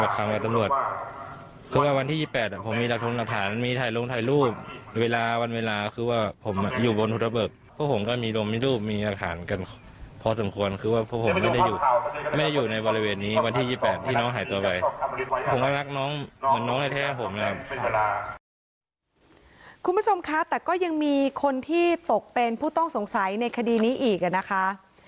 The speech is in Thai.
คุณผู้ชมคะแต่ก็ยังมีคนที่ตกเป็นผู้ต้องสงสัยในคดีนี้อีกนะคะ